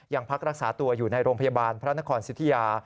ยังพักรักษาตัวอยู่ในโรงพยาบาลพระนครสิทธิยา